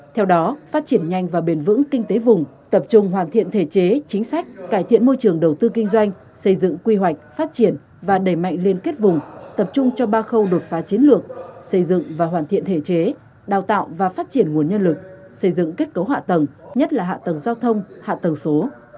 theo đó phát triển nhanh và bền vững kinh tế vùng tập trung hoàn thiện thể chế chính sách cải thiện môi trường đầu tư kinh doanh xây dựng quy hoạch phát triển và đẩy mạnh liên kết vùng tập trung cho ba khâu đột phá chiến lược xây dựng và hoàn thiện thể chế đào tạo và phát triển nguồn nhân lực xây dựng kết cấu hạ tầng nhất là hạ tầng giao thông hạ tầng số